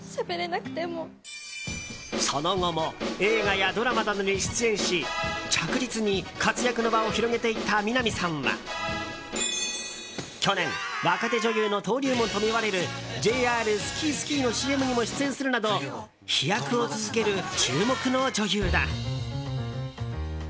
その後も映画やドラマなどに出演し着実に活躍の場を広げていった南さんは去年若手女優の登竜門ともいわれるＪＲＳＫＩＳＫＩのＣＭにも出演するなど飛躍を続ける注目の女優だ。